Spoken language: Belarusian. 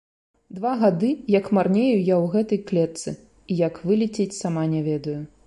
Два гады, як марнею я ў гэтай клетцы, і як вылецець, сама не ведаю.